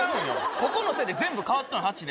ここのせいで全部かわっとん、８で。